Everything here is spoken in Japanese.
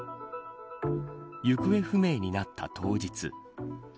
行方不明になった当日。